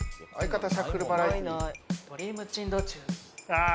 ああ！